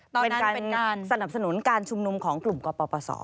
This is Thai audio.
ตอนนั้นเป็นการสนับสนุนการชุมนุมของกลุ่มกปปส